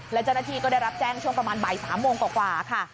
และเจ้าหน้าที่ก็ได้รับแจ้งช่วงประมาณบ่าย๓โมงกว่าค่ะ